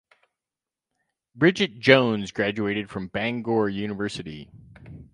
Bridget Jones graduated from Bangor University.